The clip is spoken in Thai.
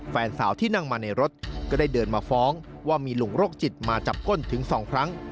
แฟนสาวที่นั่งมาในรถก็ได้เดินมาฟ้องว่ามีลุงโรคจิตมาจับก้นถึง๒ครั้ง